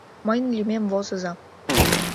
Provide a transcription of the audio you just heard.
Мыйын лӱмем возыза.